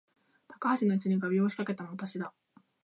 高橋の椅子に画びょうを仕掛けたのは私だ